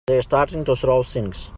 They're starting to throw things!